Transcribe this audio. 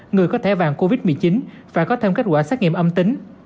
người có thẻ vàng covid một mươi chín và có thêm kết quả xét nghiệm âm tính